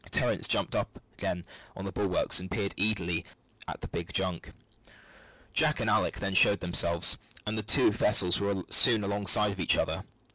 Terence jumped up again on the bulwarks, and peered eagerly at the big junk. Jack and Alick then showed themselves, and the two vessels were soon alongside of each other.